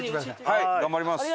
はい頑張ります。